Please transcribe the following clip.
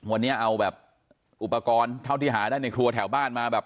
วันนี้เอาแบบอุปกรณ์เท่าที่หาได้ในครัวแถวบ้านมาแบบ